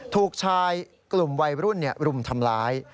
ถูกชายกลุ่มวัยรุ่นรุมทำร้าย